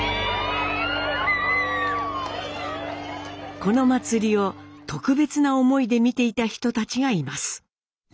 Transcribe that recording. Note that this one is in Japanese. この祭りを特別な思いで見ていた人たちがいます。